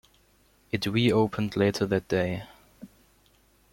It reopened later that day.